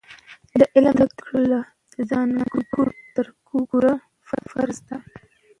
د علم زده کړه له زانګو تر ګوره فرض دی.